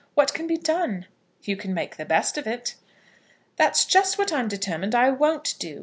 What can be done?" "You can make the best of it." "That's just what I'm determined I won't do.